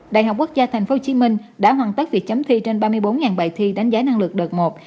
đại học quốc gia tp hcm đã hoàn tất việc chấm thi trên ba mươi bốn bài thi đánh giá năng lực đợt một